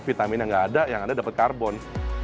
vitamin yang nggak ada yang ada dapat karbon